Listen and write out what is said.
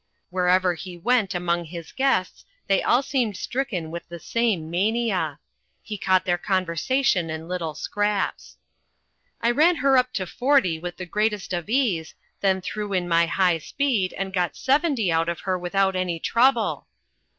Wherever he went among his guests, they all seemed stricken with the same mania. He caught their conversation in little scraps. "I ran her up to forty with the greatest of ease, then threw in my high speed and got seventy out of her without any trouble."